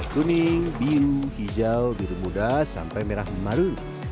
kuning biru hijau biru muda sampai merah maru